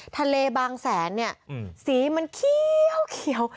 ทะเลบางแสนเนี่ยสีมันเคี้ยวเคี้ยว